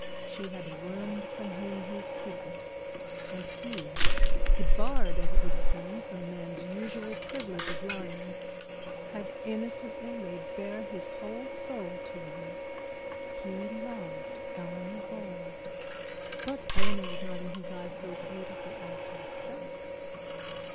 She had wormed from him his secret; and he, debarred as it would seem from man's usual privilege of lying, had innocently laid bare his whole soul to her. He loved Eleanor Bold, but Eleanor was not in his eyes so beautiful as herself.